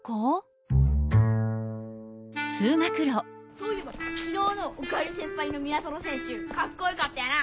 そういえばきのうの「おかえり先輩」の宮園せんしゅかっこよかったよな！